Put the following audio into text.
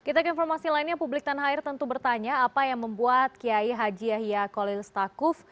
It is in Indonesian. kita ke informasi lainnya publik tanah air tentu bertanya apa yang membuat kiai haji yahya kolil stakuf